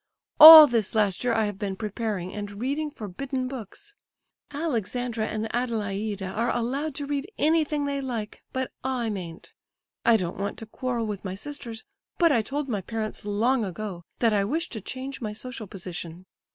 All this last year I have been preparing and reading forbidden books. Alexandra and Adelaida are allowed to read anything they like, but I mayn't. I don't want to quarrel with my sisters, but I told my parents long ago that I wish to change my social position.